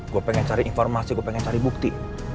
gue pengen cari informasi gue pengen cari bukti